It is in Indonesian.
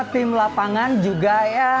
tim lapangan juga ya